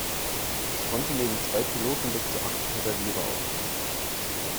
Es konnte neben zwei Piloten bis zu acht Passagiere aufnehmen.